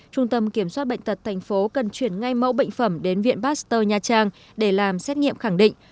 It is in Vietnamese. trung tâm kiểm soát bệnh tật tp cần chuyển ngay mẫu bệnh phẩm đến viện pasteur nha trang để làm xét nghiệm khẳng định